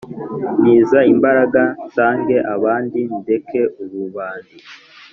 ntiza imbaraga nsange abandi ndeke ububandi